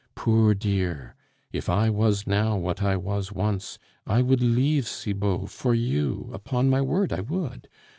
Poor dear! If I was now what I was once, I would leave Cibot for you! upon my word, I would!